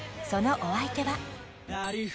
［そのお相手は］